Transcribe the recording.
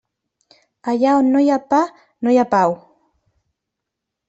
Allà on no hi ha pa no hi ha pau.